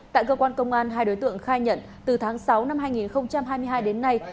tại cơ quan công an hai đối tượng khai nhận từ tháng sáu năm hai nghìn hai mươi hai đến nay